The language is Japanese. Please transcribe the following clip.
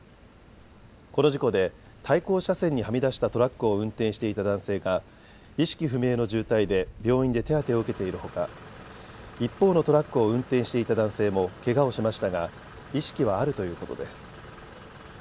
この事故で対向車線にはみ出したトラックを運転していた男性が意識不明の重体で病院で手当てを受けているほか一方のトラックを運転していた男性もけがをしましたが意識はあるということです。